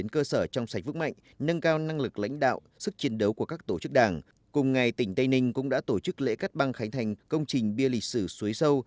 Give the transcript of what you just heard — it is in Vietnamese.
của các tổ chức đảng cùng ngày tỉnh tây ninh cũng đã tổ chức lễ cắt băng khánh thành công trình bia lịch sử suối sâu